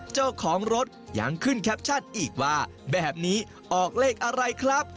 เจ้าของรถยังขึ้นแคปชั่นอีกว่าแบบนี้ออกเลขอะไรครับ